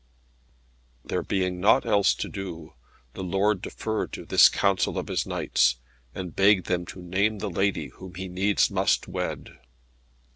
There being naught else to do, the lord deferred to this counsel of his knights, and begged them to name the lady whom he needs must wed.